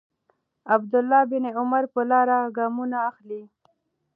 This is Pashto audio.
عبدالله بن عمر پر لاره ګامونه اخلي.